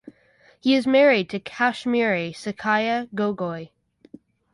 He is married to Kashmiri Saikia Gogoi.